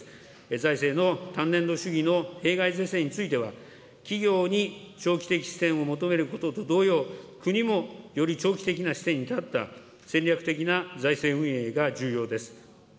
財政の単年度主義の弊害是正については、企業に長期的視点を求めることと同様、国もより長期的な視点に立った戦略的な財政運営が重要です。